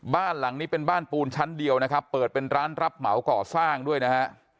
บ้านหลังนี้เป็นบ้านปูนชั้นเดียวนะครับเปิดเป็นร้านรับเหมาก่อสร้างด้วยนะฮะ